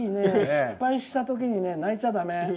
失敗した時に泣いちゃだめ。